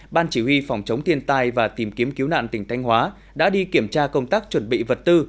ban chỉ huy phòng chống thiên tai và tìm kiếm cứu nạn tỉnh thanh hóa đã đi kiểm tra công tác chuẩn bị vật tư